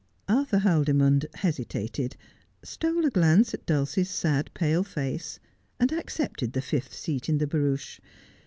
Arthur Haldimond hesitated, stole a glance at Dulcie's sad, pale face, and accepted the fifth seat in the barouche.